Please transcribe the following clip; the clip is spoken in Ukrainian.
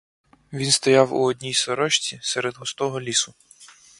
Він стояв у одній сорочці серед густого лісу.